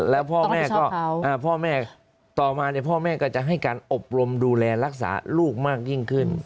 แล้วพ่อแม่ก็พ่อแม่ต่อมาพ่อแม่ก็จะให้การอบรมดูแลรักษาลูกมากยิ่งขึ้น